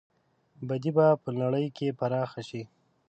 بدي به په نړۍ کې پراخه شي.